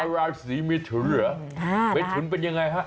ราศีเมทุนเหรอเมถุนเป็นยังไงฮะ